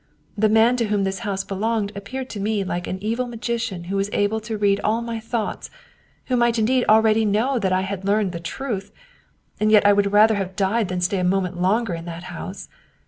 The man to whom this house belonged appeared to me like an evil magician who was able to read all my thoughts, who might indeed already know that I had learned the* truth. And yet I would rather have died than stay a mo ment longer in that house.